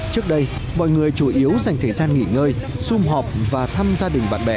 trước đây mọi người chủ yếu dành thời gian nghỉ ngơi zoom họp và thăm gia đình